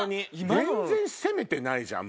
全然攻めてないじゃん